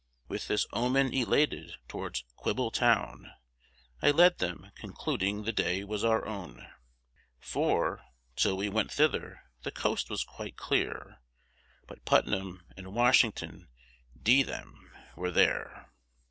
With this omen elated, towards Quibbletown I led them, concluding the day was our own; For, till we went thither, the coast was quite clear, But Putnam and Washington, d n them, were there!